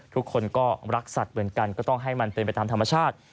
ทุกคนก็รักสัตว์เหมือนกันก็ต้องให้มันเป็นไปตามธรรมชาติ